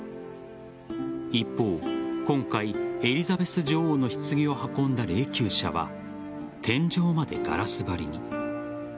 一方、今回エリザベス女王の棺を運んだ霊きゅう車は天井までガラス張りに。